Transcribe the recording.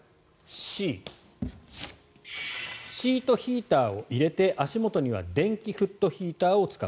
Ｃ、シートヒーターを入れて足元には電気フットヒーターを使う。